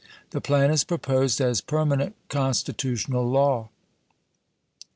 .. The plan is proposed as permanent consti tutional law.